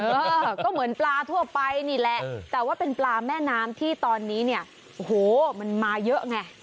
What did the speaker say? เออก็เหมือนปลาทั่วไปนี่แหละแต่ว่าเป็นปลาแม่น้ำที่ตอนนี้เนี่ยโอ้โหมันมาเยอะไง